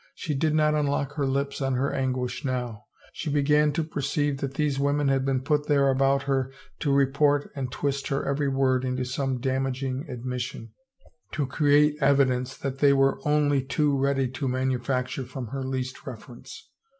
She did not unlock her lips on her anguish now ; she began to perceive that these women had been put there about her to report and twist her every word into some damaging admission, to create evidence that they were only too ready to manufacture from her least reference.